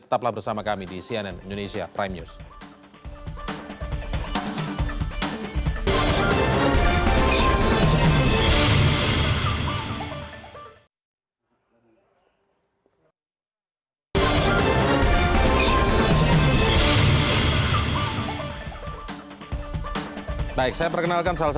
tetaplah bersama kami di cnn indonesia prime news